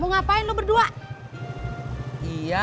bertitah ya walaupun mereka berani ya